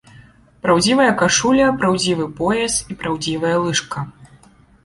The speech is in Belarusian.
Праўдзівая кашуля, праўдзівы пояс і праўдзівая лыжка.